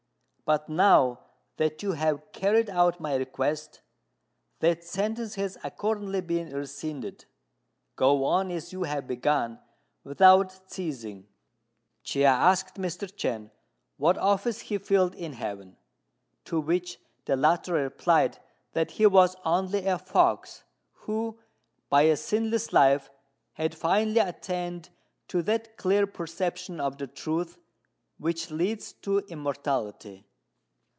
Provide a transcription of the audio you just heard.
But now that you have carried out my request, that sentence has accordingly been rescinded. Go on as you have begun, without ceasing." Chia asked Mr. Chên what office he filled in heaven; to which the latter replied that he was only a fox, who, by a sinless life, had finally attained to that clear perception of the Truth which leads to immortality.